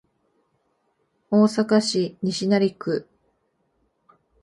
大阪市西成区